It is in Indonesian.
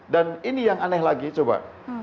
dan ini yang aneh lagi coba